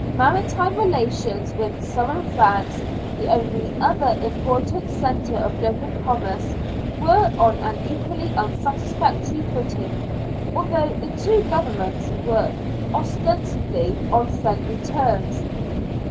Maritime relations with Southern France, the only other important centre of local commerce, were on an equally unsatisfactory footing, although the two Governments were ostensibly on friendly terms.